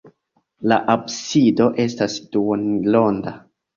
La absido estas duonronda.